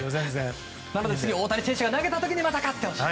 なのでまた次に大谷選手が投げた時にまた勝ってほしい。